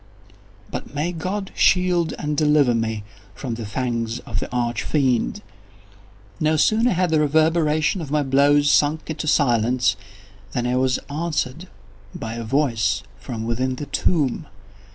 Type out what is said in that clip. But may God shield and deliver me from the fangs of the Arch Fiend! No sooner had the reverberation of my blows sunk into silence, than I was answered by a voice from within the tomb!